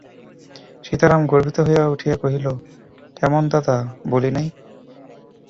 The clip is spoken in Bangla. সীতারাম গর্বিত হইয়া উঠিয়া কহিল, কেমন দাদা, বলি নাই!